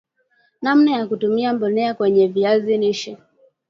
namna ya kutumia mbolea kwenye viazi lishe